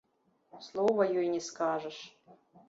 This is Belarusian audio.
Слова ёй не скажаш.